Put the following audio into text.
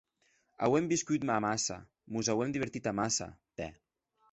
Auem viscut amassa, mos auem divertit amassa, tè.